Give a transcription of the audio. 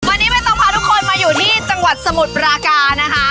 วันนี้ไม่ต้องพาทุกคนมาอยู่ที่จังหวัดสมุทรปราการนะคะ